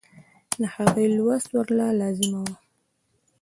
د هغې لوست ورله لازمي وۀ -